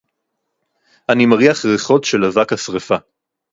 אֲנִי מֵרִיחַ רֵיחוֹת שֶׁל אֲבַק הַשְּׂרֵפָה.